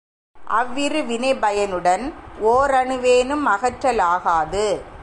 அவ்விரு வினைப் பயனுடன் ஓரணுவேனும் அகற்றலாகாது.